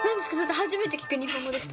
初めて聞く日本語でした。